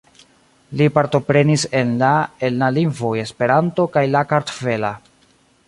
Li partoprenis en la en la lingvoj Esperanto kaj la kartvela.